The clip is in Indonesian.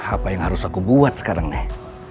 apa yang harus aku buat sekarang nih